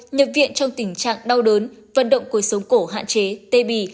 nhập viện trong tình trạng đau đớn vận động cuộc sống cổ hạn chế tê bì